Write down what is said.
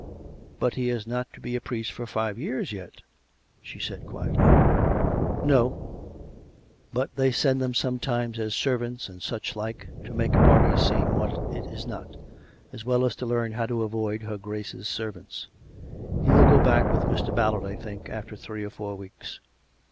" But he is not to be a priest for five years yet? " she said quietly. "No; but they send them sometimes as servants and such like, to make a party seem what it is not, as well as to learn how to avoid her Grace's servants. He will go back with Mr. Ballard, I think, after three or four weeks.